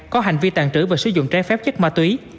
có hành vi tàn trữ và sử dụng trái phép chất ma túy